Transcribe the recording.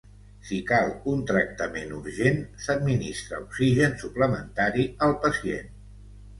Si cal un tractament urgent, s"administra oxigen suplementari al pacient.